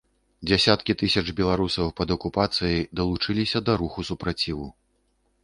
Дзесяткі тысяч беларусаў пад акупацыяй далучыліся да руху супраціву.